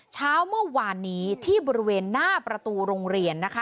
เช้าเมื่อวานนี้ที่บริเวณหน้าประตูโรงเรียนนะคะ